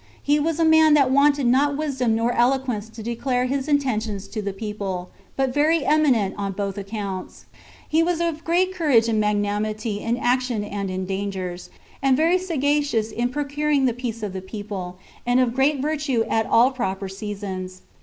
He was a man that wanted not wisdom nor eloquence to declare his intentions to the people, but very eminent on both accounts. He was of great courage and magnanimity in action and in dangers, and very sagacious in procuring the peace of the people, and of great virtue at all proper seasons.